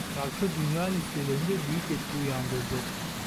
Şarkı dünya listelerinde büyük etki uyandırdı.